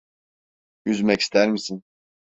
Yüzmek ister misin?